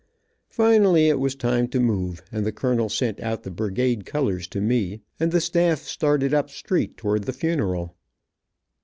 Finally it was time to move, and the colonel sent out the brigade colors to me, and the start started up street towards the funeral.